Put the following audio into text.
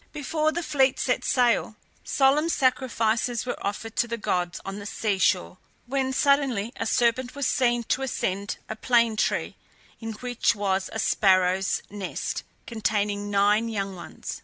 Before the fleet set sail solemn sacrifices were offered to the gods on the sea shore, when suddenly a serpent was seen to ascend a plane tree, in which was a sparrow's nest containing nine young ones.